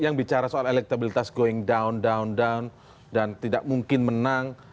yang bicara soal elektabilitas going down down down dan tidak mungkin menang